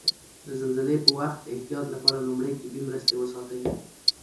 د زلزلې په وخت د احتیاط لپاره لومړي طبي مرستې وساتئ.